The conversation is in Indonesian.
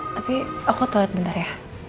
tapi aku toilet bentar ya